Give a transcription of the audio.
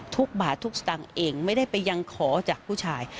ทุกบาททุกสตางค์เองไม่ได้ไปยังขอจากผู้ชาย